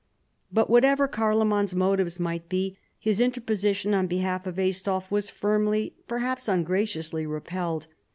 But whatever Carloman's motives might be, his interposition on behalf of Aistulf was firmly, perhaps ungraciously, repelled.